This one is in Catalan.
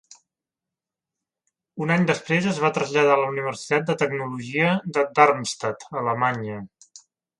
Un any després, es va traslladar a la Universitat de Tecnologia de Darmstadt a Alemanya.